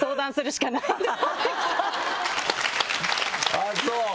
あぁそう！